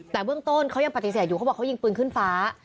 แต่เบื้องต้นเขายังปฏิเสธอยู่เขาบอกเขายิงปืนขึ้นฟ้า